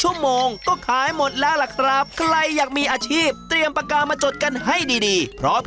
หอมกระเทียมเจียว